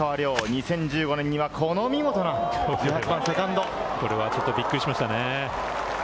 ２０１５年には、この見事な１８これはちょっとびっくりしましたね。